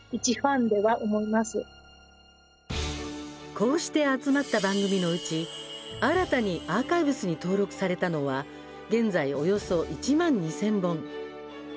こうして集まった番組のうち新たにアーカイブスに登録されたのは現在およそ１万２０００本。